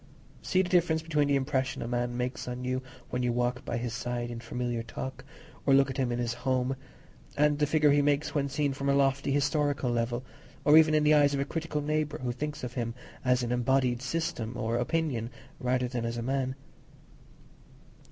See the difference between the impression a man makes on you when you walk by his side in familiar talk, or look at him in his home, and the figure he makes when seen from a lofty historical level, or even in the eyes of a critical neighbour who thinks of him as an embodied system or opinion rather than as a man.